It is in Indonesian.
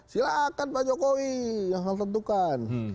silahkan pak jokowi yang menentukan